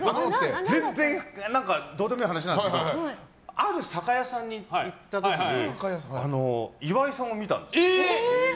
全然どうでもいい話なんですがある酒屋さんに行った時に岩井さんを見たんです。